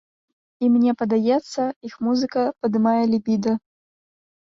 І мне падаецца, іх музыка падымае лібіда.